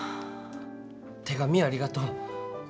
手紙ありがとう。